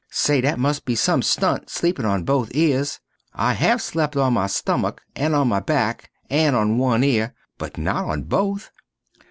Say, that must be some stunt sleepin on both ears, I have slep on my stummick an on my back an on one ear, but not on both.